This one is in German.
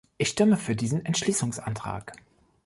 Ich stimme für diesen Entschließungsantrag.